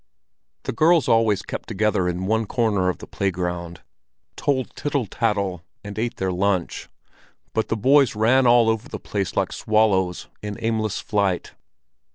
The girls always kept together in one corner of the playground, told tittle tattle and ate their lunch, but the boys ran all over the place like swallows in aimless flight.